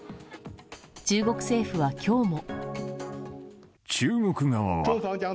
中国政府は今日も。